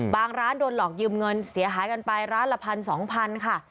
ร้านโดนหลอกยืมเงินเสียหายกันไปร้านละพันสองพันค่ะ